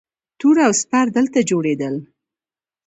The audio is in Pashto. توره او سپر دلته جوړیدل